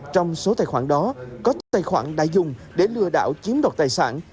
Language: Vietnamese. trong số tài khoản đó có tài khoản đại dùng để lừa đảo chiếm đọt tài sản